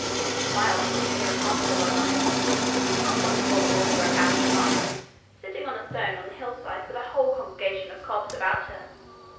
'My old woman came upon her one night, not long before the water broke out in the mine, sitting on a stone on the hillside with a whole congregation of cobs about her.